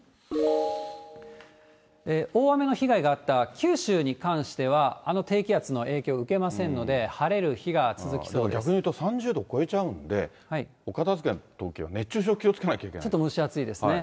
大雨の被害があった九州に関しては、あの低気圧の影響を受けませんので、晴れる日が続きそう逆に言うと３０度超えちゃうんで、お片づけのときは熱中症、ちょっと蒸し暑いですね。